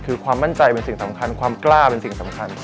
คือความมั่นใจเป็นสิ่งสำคัญความกล้าเป็นสิ่งสำคัญ